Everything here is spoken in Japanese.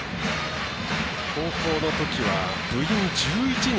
高校のときは部員１１人。